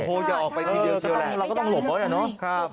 โอ้โหอย่าออกไปทีเดียวเชียวแหละเราก็ต้องหลบเขาอะเนาะ